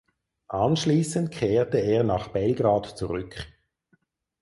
Anschließend kehrte er nach Belgrad zurück.